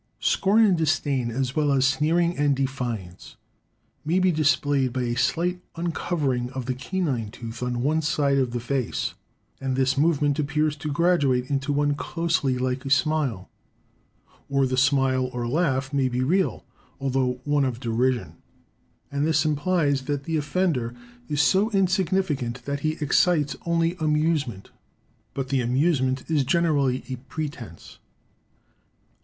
Scorn and disdain, as well as sneering and defiance, may be displayed by a slight uncovering of the canine tooth on one side of the face; and this movement appears to graduate into one closely like a smile. Or the smile or laugh may be real, although one of derision; and this implies that the offender is so insignificant that he excites only amusement; but the amusement is generally a pretence.